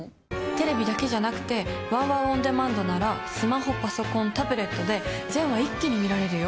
テレビだけじゃなくてＷＯＷＯＷオンデマンドならスマホパソコンタブレットで全話一気に見られるよ。